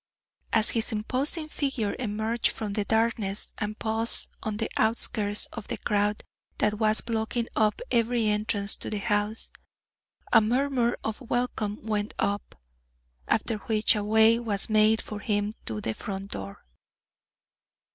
As his imposing figure emerged from the darkness and paused on the outskirts of the crowd that was blocking up every entrance to the house, a murmur of welcome went up, after which a way was made for him to the front door.